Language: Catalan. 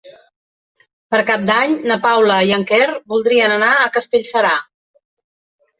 Per Cap d'Any na Paula i en Quer voldrien anar a Castellserà.